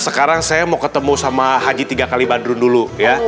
sekarang saya mau ketemu sama haji tiga x bandrun dulu ya